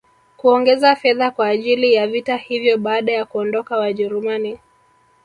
kuongeza fedha kwa ajili ya vita hivyo Baada ya kuondoka wajerumani